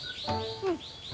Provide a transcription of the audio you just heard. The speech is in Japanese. うん。